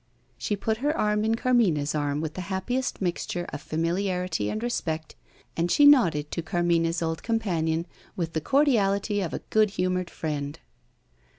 She put her arm in Carmina's arm with the happiest mixture of familiarity and respect, and she nodded to Carmina's old companion with the cordiality of a good humoured friend.